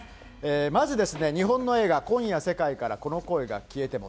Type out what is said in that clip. まず、日本の映画、映画、今夜、世界からこの恋が消えても。